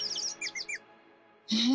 え？